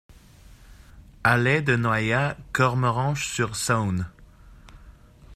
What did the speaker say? Allée de Noaillat, Cormoranche-sur-Saône